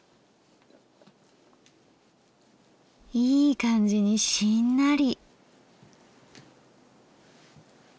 いい感じにしんなり。